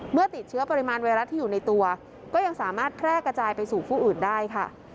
เมื่อติดเชื้อปริมาณไวรัสที่อยู่ในตัวก็ยังสามารถแพร่กระจายไปสู่ผู้อื่นได้ค่ะ